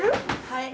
はい。